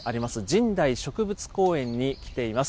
神代植物公園に来ています。